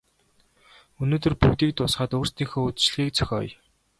Өнөөдөр бүгдийг дуусгаад өөрсдийнхөө үдэшлэгийг зохиоё.